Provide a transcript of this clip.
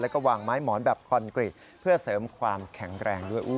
แล้วก็วางไม้หมอนแบบคอนกรีตเพื่อเสริมความแข็งแรงด้วย